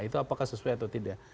itu apakah sesuai atau tidak